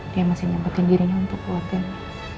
dia masih nyempetin dirinya untuk keluarga ini